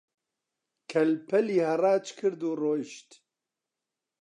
کەل-پەلی هەڕاج کرد و ڕۆیشت